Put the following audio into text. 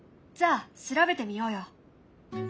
じゃあ調べてみようよ。